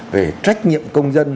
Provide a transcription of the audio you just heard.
về trách nhiệm công dân